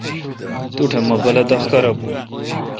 توٹھ مہ غلط احکارہ بھون اؘ۔